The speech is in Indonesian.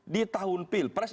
di tahun pilpres